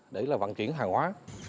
để là vận chuyển hàng hóa